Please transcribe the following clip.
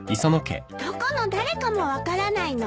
どこの誰かも分からないの？